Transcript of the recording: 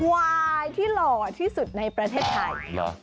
วายที่หล่อที่สุดในประเทศไทย